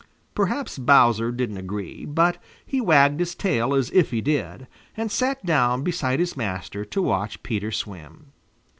Perhaps Bowser didn't agree, but he wagged his tail as if he did, and sat down beside his master to watch Peter swim.